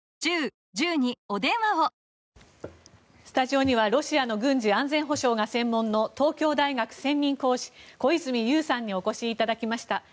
スタジオにはロシアの軍事・安全保障が専門の東京大学専任講師、小泉悠さんにお越しいただきました。